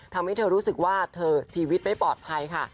ทำให้เธอรู้สึกว่าเธอชีวิตไม่ปลอดภัยค่ะ